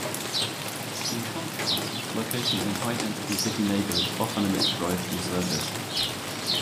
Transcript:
In contrast, locations in high-density city neighborhoods often omit drive-through service.